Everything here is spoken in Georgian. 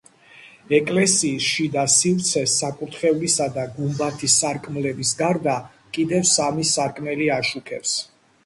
ეკლესიის შიდა სივრცეს, საკურთხევლისა და გუმბათის სარკმლების გარდა, კიდევ სამი სარკმელი აშუქებს.